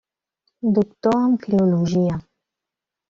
Doctor en filologia.